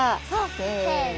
せの！